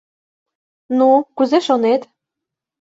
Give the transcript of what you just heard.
Ну, кузе шонет?